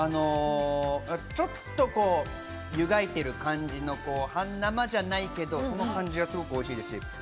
ちょっとゆがいている感じの、半生じゃないけれど、その感じがおいしいです。